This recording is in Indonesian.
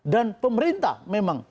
dan pemerintah memang